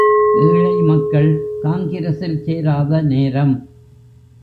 ஏழை மக்கள் காங்கிரசில் சேராத நேரம்.